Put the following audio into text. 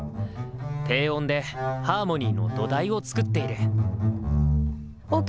低音でハーモニーの土台を作っている。